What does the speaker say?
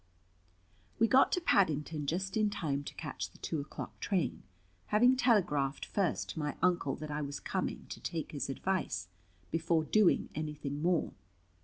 We got to Paddington just in time to catch the two o'clock train, having telegraphed first to my Uncle that I was coming to take his advice, before doing anything more.